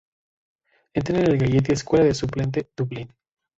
Entrena en el Gaiety Escuela de Suplente, Dublín.